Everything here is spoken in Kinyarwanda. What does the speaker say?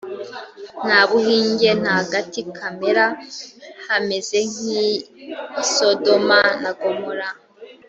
nta buhinge, nta gati kamera; hameze nk’i sodoma na gomora,